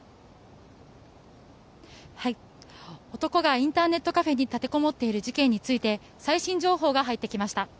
男がインターネットカフェに立てこもっている事件について最新情報が入ってきました。